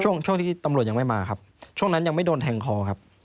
ช่วงช่วงที่ตำรวจยังไม่มาครับช่วงนั้นยังไม่โดนแทงคอครับ